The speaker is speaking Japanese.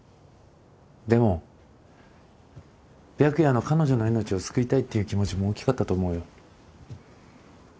でも白夜の彼女の命を救いたいっていう気持ちも大きかったと思うよ。